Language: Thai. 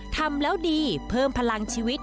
ทำแล้วดีเพิ่มพลังชีวิต